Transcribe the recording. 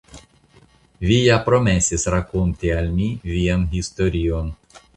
Vi ja promesis rakonti al mi vian historion.